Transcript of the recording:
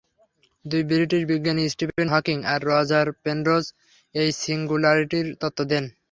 দুই ব্রিটিশ বিজ্ঞানী Stephen Hawking আর রজার পেনরোজ এই সিঙ্গুলারিটির তত্ত্ব দেন।